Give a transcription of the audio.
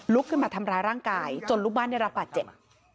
ขึ้นมาทำร้ายร่างกายจนลูกบ้านได้รับบาดเจ็บ